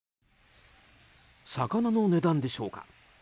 魚の値段でしょうか？